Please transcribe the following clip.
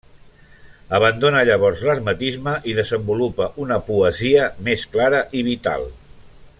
Abandona llavors l'hermetisme i desenvolupa una poesia més clara i vital.